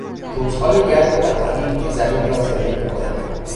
روزهای گرم بهاری که زمین را زنده میکند.